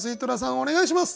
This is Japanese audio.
お願いします。